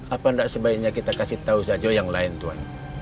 apa ndak sebaiknya kita kasih tau zajo yang lain tuan